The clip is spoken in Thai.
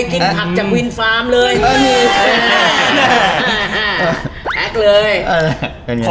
กินผักจากวินฟาร์มเลยเออแหละแหละแหละแหละแหละแหละแหละ